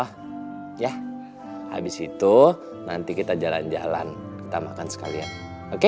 habis ya habis itu nanti kita jalan jalan kita makan sekalian oke